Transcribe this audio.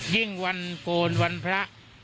ยิ่งวันโกนวันพระ